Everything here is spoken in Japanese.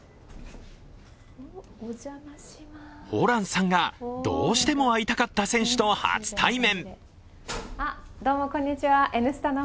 ホランさんが、どうしても会いたかった選手と初対面。